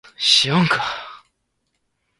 行，哥！